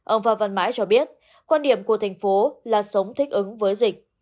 ông phan văn mãi cho biết quan điểm của thành phố là sống thích ứng với dịch